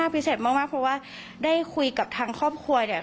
พิเศษมากเพราะว่าได้คุยกับทางครอบครัวเนี่ย